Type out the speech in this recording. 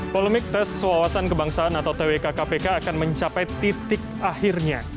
polemik tes wawasan kebangsaan atau twk kpk akan mencapai titik akhirnya